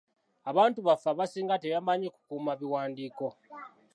Abantu baffe abasinga tebamanyi kukuuma biwandiiko.